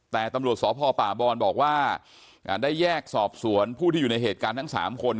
แต่ตำรวจสพป่าบอนบอกว่าได้แยกสอบสวนผู้ที่อยู่ในเหตุการณ์ทั้ง๓คน